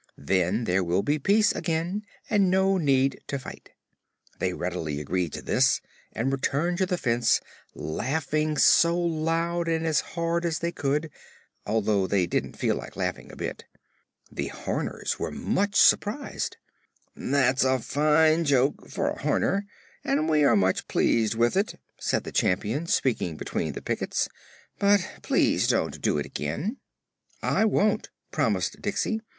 Then there will be peace again and no need to fight." They readily agreed to this and returned to the fence laughing as loud and as hard as they could, although they didn't feel like laughing a bit. The Horners were much surprised. "That's a fine joke for a Horner and we are much pleased with it," said the Champion, speaking between the pickets. "But please don't do it again." "I won't," promised Diksey.